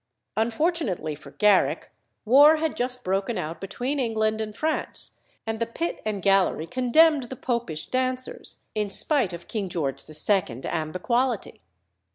Unfortunately for Garrick, war had just broken out between England and France, and the pit and gallery condemned the Popish dancers in spite of King George II. and the quality.